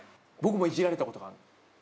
僕もいじられたことがある。